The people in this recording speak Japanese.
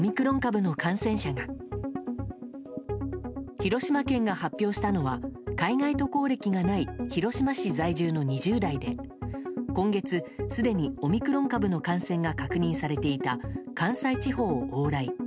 広島県が発表したのは海外渡航歴がない広島市在住の２０代で今月すでにオミクロン株の感染が確認されていた関西地方を往来。